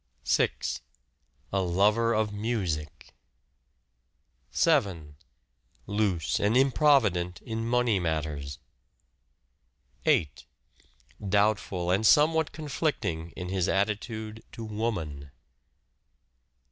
6. A lover of music. 7. Loose and improvident in money matters. 8. Doubtful and somewhat conflicting in his attitude to woman.